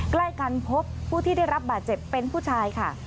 ใกล้กันพบผู้ที่ได้รับบาดเจ็บเป็นผู้ชายค่ะ